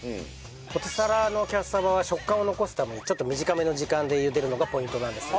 ポテサラのキャッサバは食感を残すためにちょっと短めの時間で茹でるのがポイントなんですよね。